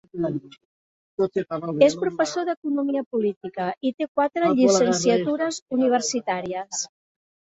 És professor d'economia política, i té quatre llicenciatures universitàries.